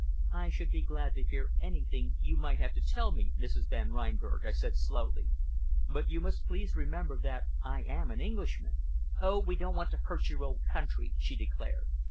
"I should be glad to hear anything you might have to tell me, Mrs. Van Reinberg," I said slowly; "but you must please remember that I am an Englishman." "Oh! we don't want to hurt your old country," she declared.